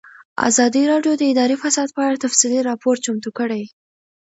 ازادي راډیو د اداري فساد په اړه تفصیلي راپور چمتو کړی.